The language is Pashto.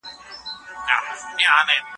له شپږو مياشتو